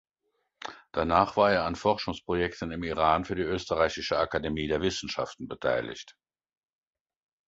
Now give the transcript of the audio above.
Danach war er an Forschungsprojekten im Iran für die Österreichische Akademie der Wissenschaften beteiligt.